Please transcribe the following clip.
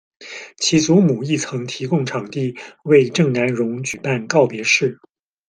其祖母亦曾提供场地为郑南榕举办告别式。